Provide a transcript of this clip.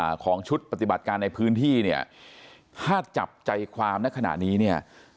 ของชุดปฏิบัติการในพื้นที่เนี่ยถ้าจับใจความในขณะนี้เนี่ย